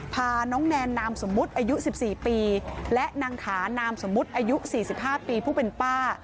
พาน้องแนนนามสมมุติอายุ๑๔ปีและนางถานามสมมุติอายุ๔๕ปีผู้เป็นป้า